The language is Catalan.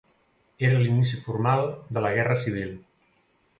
Era l'inici formal de la Guerra civil.